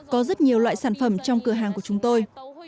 có rất nhiều loại sản phẩm trong cửa hàng của chúng tôi